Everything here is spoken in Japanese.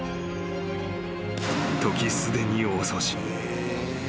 ［時すでに遅し］